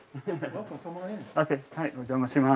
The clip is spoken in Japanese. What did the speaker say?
はいお邪魔します。